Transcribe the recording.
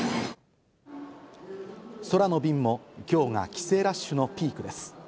空の便もきょうが帰省ラッシュのピークです。